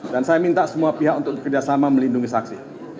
dan saya minta semua pihak untuk bekerjasama melindungi saksi